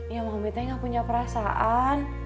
ya mami teh gak punya perasaan